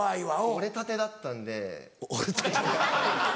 折れたてだったんで。